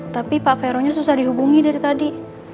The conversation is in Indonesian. tapi pak vero nya susah dihubungi dari tadi